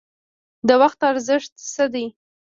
د وخت ارزښت څه دی؟